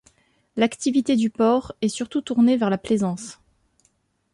L'activité du port est surtout tournée vers la plaisance.